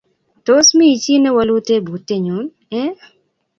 Tos mi chi ne wolu tebutyenyun ii?